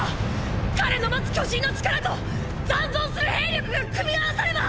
彼の持つ「巨人の力」と残存する兵力が組み合わされば！